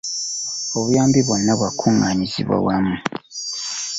obuyambi bwonna bwakuggaanyizibwa wamu